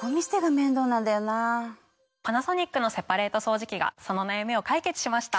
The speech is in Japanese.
パナソニックのセパレート掃除機がその悩みを解決しました。